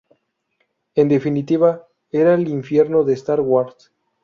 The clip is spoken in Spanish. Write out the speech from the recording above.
En definitiva, era el infierno de Star Wars".